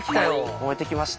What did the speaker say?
燃えてきました？